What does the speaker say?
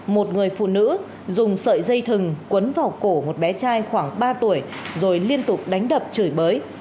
một người phụ nữ dùng sợi dây thừng quấn vào cổ một bé trai khoảng ba tuổi rồi liên tục đánh đập chửi bới